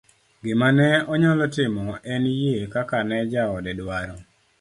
gima ne onyalo timo en yie kaka ne jaode dwaro